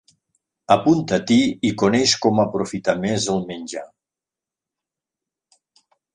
Apunta-t'hi i coneix com aprofitar més el menjar.